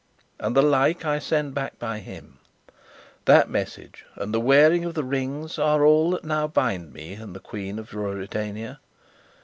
And the like I send back by him. That message, and the wearing of the rings, are all that now bind me and the Queen of Ruritania.